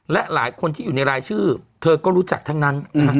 และหลายคนที่อยู่ในรายชื่อเธอก็รู้จักทั้งนั้นนะฮะ